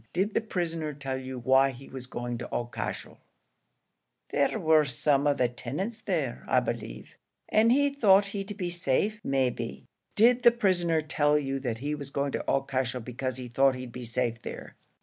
Did the prisoner tell you why he was going to Aughacashel?" "There war some of the tinants there, I b'lieve, and he thought he'd be safe may be." "Did the prisoner tell you that he was going to Aughacashel because he thought he'd be safe there?"